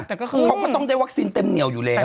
แต่ก็คือเขาก็ต้องได้วัคซีนเต็มเหนียวอยู่แล้ว